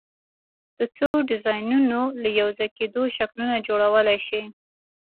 د څو ډیزاینونو له یو ځای کېدو شکلونه جوړولی شئ؟